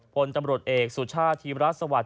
พลตำรวจเอกสุชาติธีมรัฐสวัสดิ